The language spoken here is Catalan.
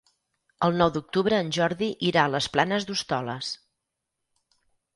El nou d'octubre en Jordi irà a les Planes d'Hostoles.